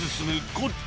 こっち？